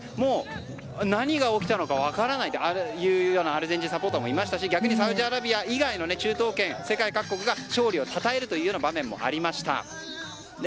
何が起きたのか分からないというようなアルゼンチンサポーターもいましたし逆にサウジアラビア以外の中東圏世界各国が勝利をたたえる場面もありました。